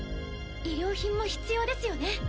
医療品も必要ですよね。